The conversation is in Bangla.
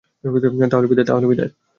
তাহলে, বিদায়।